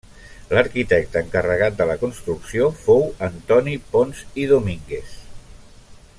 L'arquitecte encarregat de la construcció fou Antoni Pons i Domínguez.